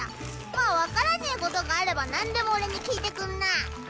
まあ分からねぇことがあればなんでも俺に聞いてくんなぁ。